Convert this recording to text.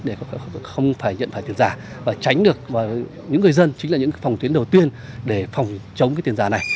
để không phải nhận phải tiền giả và tránh được những người dân chính là những phòng tuyến đầu tiên để phòng chống cái tiền giả này